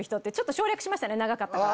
省略しましたね長かったから。